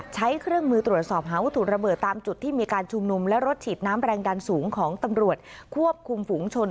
ใช้เครื่องมือตรวจสอบหาวัตถุระเบิดตามจุดที่มีการชุมนุมและรถฉีดน้ำแรงดันสูงของตำรวจควบคุมฝูงชน